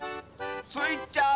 スイちゃん